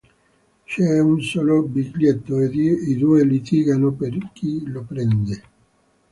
C'è un solo biglietto e i due litigano per chi lo prende.